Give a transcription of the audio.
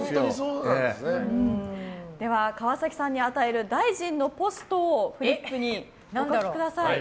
では、川崎さんに与える大臣のポストをフリップにお書きください。